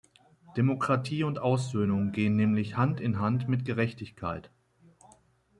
Demokratie und Aussöhnung gehen nämlich Hand in Hand mit Gerechtigkeit.